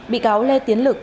bị cáo lê tiến lực